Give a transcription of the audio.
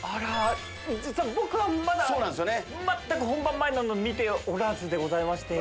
実は僕はまだ全く本番前なのに見ておらずでございまして。